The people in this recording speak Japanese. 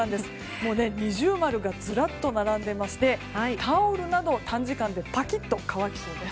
二重丸がずらっと並びましてタオルなど短時間でぱきっと乾きそうです。